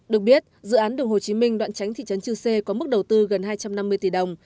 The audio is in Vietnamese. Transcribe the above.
được biết dự án đường hồ chí minh đoạn tránh thị trấn chư sê có mức đầu tư gần hai trăm năm mươi tỷ đồng